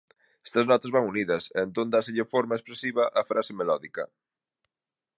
Estas notas van unidas e entón dáselle forma expresiva á frase melódica.